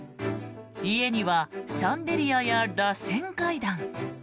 家にはシャンデリアやらせん階段。